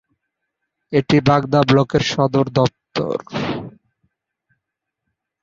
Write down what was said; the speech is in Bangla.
এটি বাগদা ব্লকের সদর দপ্তর।